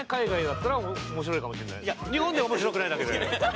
日本で面白くないだけで。